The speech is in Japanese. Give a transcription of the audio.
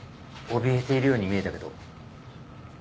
おびえているように見えたけど。